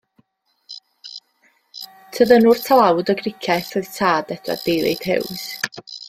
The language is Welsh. Tyddynwr tlawd o Gricieth oedd tad Edward David Hughes.